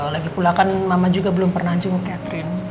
lagi pula kan mama juga belum pernah jung catherine